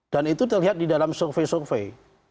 dan itu terlihat di dalam survei survei